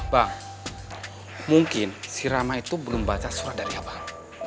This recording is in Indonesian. bang mungkin sirama itu belum baca surat dari abang